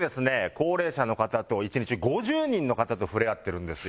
高齢者の方と１日５０人の方と触れ合ってるんですよ。